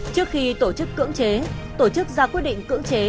trước khi tổ chức cưỡng chế tổ chức ra quyết định cưỡng chế